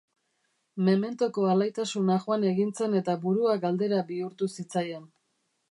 Mementoko alaitasuna joan egin zen eta burua galdera bihurtu zitzaion.